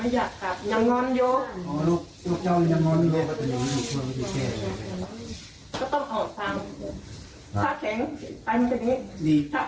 อยากรู้อยากเห็นหน้าอยากเห็นหน้าลูก